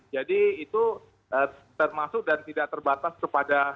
jadi itu termasuk dan tidak terbatas kepada